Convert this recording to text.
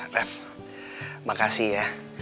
rev makasih ya